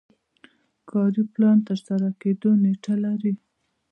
کاري پلان د ترسره کیدو نیټه لري.